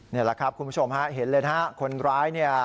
นี่แหละครับคุณผู้ชมฮะเห็นเลยนะฮะคนร้ายเนี่ย